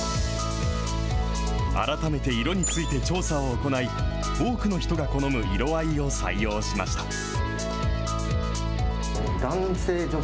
改めて色について調査を行い、多くの人が好む色合いを採用しました。